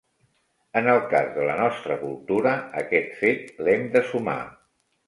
En el cas de la nostra cultura aquest fet l’hem de sumar.